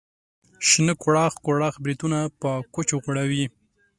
شنه کوړاخ کوړاخ بریتونه په کوچو غوړوي.